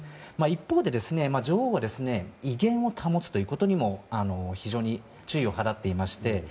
一方で、女王は威厳を保つということにも非常に注意を払っていまして。